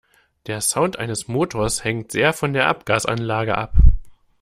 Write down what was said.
Der Sound eines Motors hängt sehr von der Abgasanlage ab.